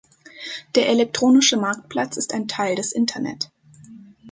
Der elektronische Marktplatz ist ein Teil des Internet.